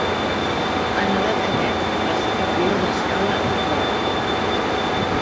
En edat cadet va ser campió d'Escala i Corda.